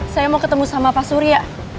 saya mau ketemu sama pak surya